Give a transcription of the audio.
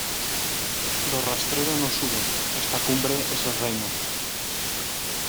Lo rastrero no sube: esta cumbre es el reino.